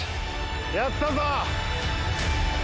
やったぞ！